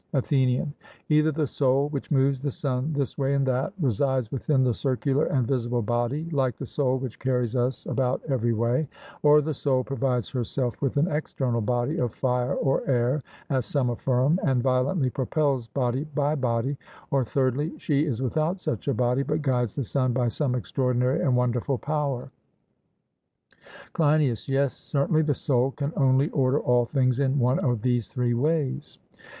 ATHENIAN: Either the soul which moves the sun this way and that, resides within the circular and visible body, like the soul which carries us about every way; or the soul provides herself with an external body of fire or air, as some affirm, and violently propels body by body; or thirdly, she is without such a body, but guides the sun by some extraordinary and wonderful power. CLEINIAS: Yes, certainly; the soul can only order all things in one of these three ways.